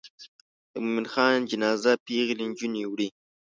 د مومن خان جنازه پیغلې نجونې وړي.